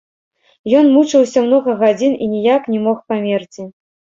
Ён мучыўся многа гадзін і ніяк не мог памерці.